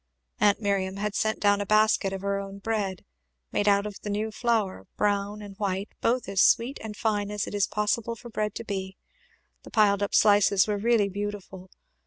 Aunt Miriam had sent down a basket of her own bread, made out of the new flour, brown and white, both as sweet and fine as it is possible for bread to be; the piled up slices were really beautiful.